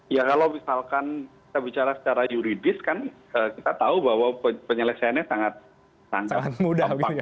ya kalau misalkan kita bicara secara yuridis kan kita tahu bahwa penyelesaiannya sangat sangat